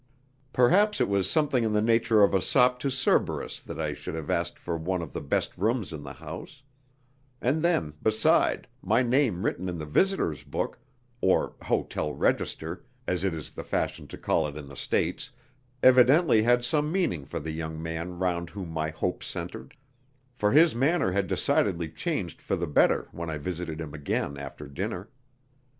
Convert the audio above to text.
Perhaps it was something in the nature of a sop to Cerberus that I should have asked for one of the best rooms in the house; and then, beside, my name written in the visitors' book (or "hotel register," as it is the fashion to call it in the States) evidently had some meaning for the young man round whom my hopes centred, for his manner had decidedly changed for the better when I visited him again after dinner.